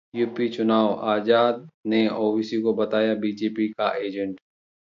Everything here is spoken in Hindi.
यूपी चुनाव: आजाद ने ओवैसी को बताया बीजेपी का एजेंट